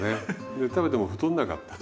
で食べても太んなかった。